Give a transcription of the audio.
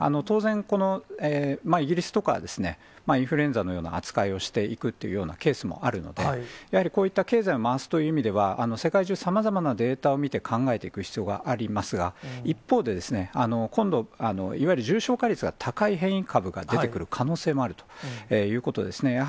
当然、イギリスとかは、インフルエンザのような扱いをしていくというケースもあるので、やはりこういった経済を回すという意味では、世界中さまざまなデータを見て考えていく必要がありますが、一方で、今度、いわゆる重症化率が高い変異株が出てくる可能性もあるということですね。